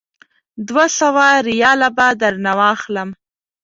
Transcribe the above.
دوه سوه ریاله به درنه واخلم.